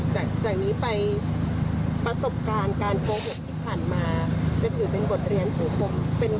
จากนี้ไปประสบการณ์การโกหกที่ผ่านมาจะถือเป็นบทเรียนสังคมเป็น